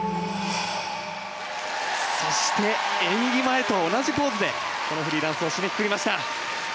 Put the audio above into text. そして、演技前と同じポーズでフリーダンスを締めくくりました。